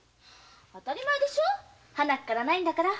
当たり前でしょうハナから無いんだから。